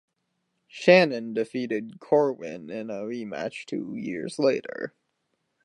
Shannon defeated Corwin in a rematch two years later.